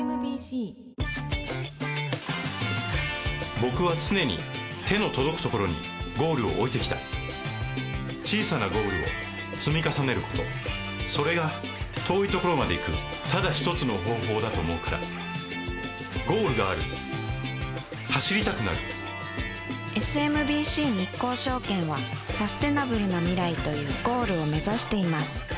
僕は常に手の届くところにゴールを置いてきた小さなゴールを積み重ねることそれが遠いところまで行くただ一つの方法だと思うからゴールがある走りたくなるＳＭＢＣ日興証券はサステナブルな未来というゴールを目指しています